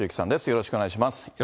よろしくお願いします。